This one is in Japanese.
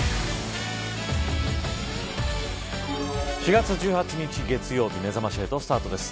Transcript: ４月１８日月曜日めざまし８スタートです。